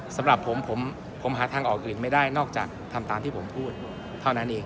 สำหรับผมผมหาทางออกอื่นไม่ได้นอกจากทำตามที่ผมพูดเท่านั้นเอง